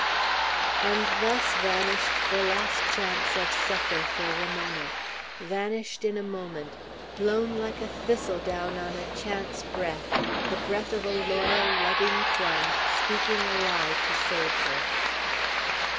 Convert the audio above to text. And thus vanished the last chance of succor for Ramona; vanished in a moment; blown like a thistledown on a chance breath, the breath of a loyal, loving friend, speaking a lie to save her.